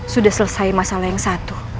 sudah selesai masalah yang satu